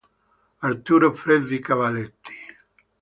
Arturo Freddi Cavalletti.